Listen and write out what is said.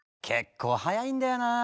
結構早いんだよな。